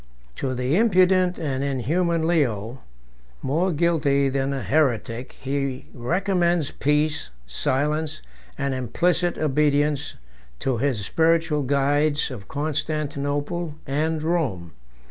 To the impudent and inhuman Leo, more guilty than a heretic, he recommends peace, silence, and implicit obedience to his spiritual guides of Constantinople and Rome.